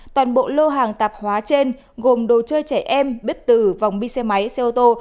toàn bộ lô hàng tạp hóa trên gồm đồ chơi trẻ em bếp tử vong bi xe máy xe ô tô